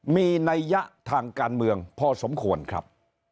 มีนัยยะทางการเมืองพอสมควรครับ